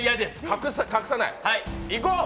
隠さない、いこう。